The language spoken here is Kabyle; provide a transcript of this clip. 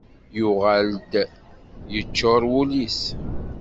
Yuɣal-d yeččur wul-is.